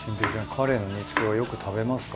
カレイの煮付けはよく食べますか？